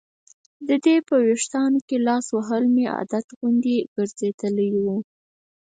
د دې په ویښتانو کې لاس وهل مې عادت غوندې ګرځېدلی و.